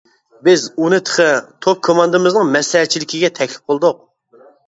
بىز ئۇنى تېخى توپ كوماندىمىزنىڭ مەسلىھەتچىلىكىگە تەكلىپ قىلدۇق.